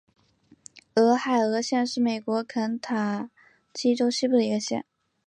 俄亥俄县是美国肯塔基州西部的一个县。